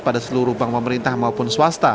pada seluruh bank pemerintah maupun swasta